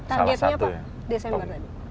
targetnya apa desember tadi